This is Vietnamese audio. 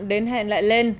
đến hẹn lại lên